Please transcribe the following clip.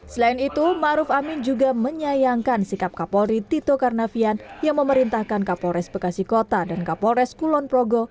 selain itu maruf amin juga menyayangkan sikap kapolri tito karnavian yang memerintahkan kapolres bekasi kota dan kapolres kulon progo